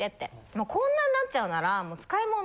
もうこんなんなっちゃうなら使いもん